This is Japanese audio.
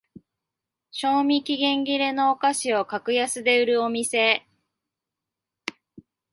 賞味期限切れのお菓子を格安で売るお店